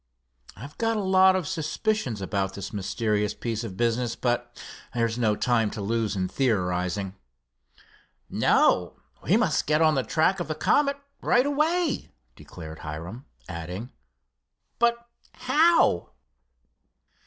I've got a lot of suspicions about this mysterious piece of business, but there's no time to lose in theorizing." "No, we must get on the track of the Comet right away," declared Hiram, adding, "but how?"